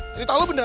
cerita lu beneran